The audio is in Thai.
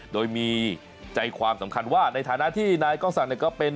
โดยมีใจความสำคัญว่าในฐานะที่นายกล้องศักดิ์ก็เป็น